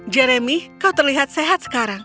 jeremy kau terlihat sehat sekarang